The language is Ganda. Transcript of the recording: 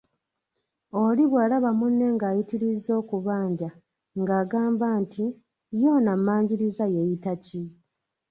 Oli bwalaba munne ngayitirizza okubanja ng'agamba nti ye ono ammanjirira yeeyita ki?